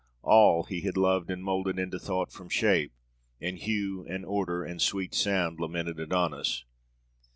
all he had loved and moulded into thought from shape, and hue and odor and sweet sound, lamented Adonaïs....